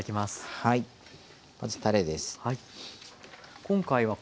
はいまずたれです。